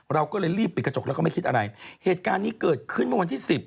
เราก็เลยรีบปิดกระจกแล้วก็ไม่คิดอะไรเหตุการณ์นี้เกิดขึ้นเมื่อวันที่สิบ